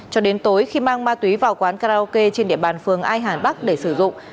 cho đến tối khi mang ma túy vào quán karaoke trên địa bàn phường ai hà bắc để sử dụng